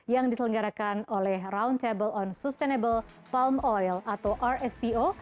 yang diselenggarakan oleh roundtable on sustainable palm oil atau rspo